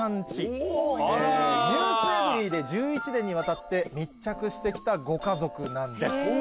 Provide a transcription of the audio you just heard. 『ｎｅｗｓｅｖｅｒｙ．』で１１年にわたって密着して来たご家族なんです。